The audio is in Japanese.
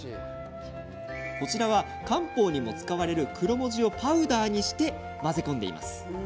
こちらは、漢方にも使われるクロモジをパウダーにして混ぜ込んでいます。